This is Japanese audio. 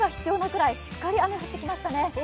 くらしっかり雨、降ってきましたね。